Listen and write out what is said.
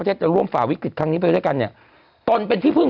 จะร่วมฝ่าวิกฤตครั้งนี้ไปด้วยกันเนี่ยตนเป็นที่พึ่ง